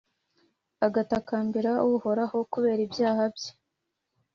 agatakambira Uhoraho kubera ibyaha bye!